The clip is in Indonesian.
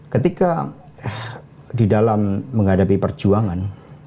ketika di dalam menghadapi perjuangan